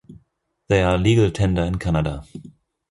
They are legal tender in Canada.